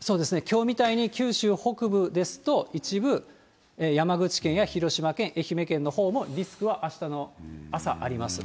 そうですね、きょうみたいに九州北部ですと、一部、山口県や広島県、愛媛県のほうも、リスクはあしたの朝あります。